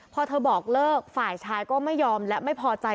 พอเธอบอกเลิกฝ่ายชายก็ไม่ยอมและไม่พอใจ